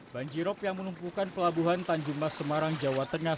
banjirop yang menumpukan pelabuhan tanjumas semarang jawa tengah